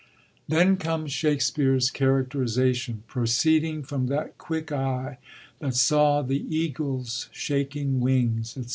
Then comes Shakspere*s characterisation, proceeding from that quick eye that saw the eagle's shaking wings, &c.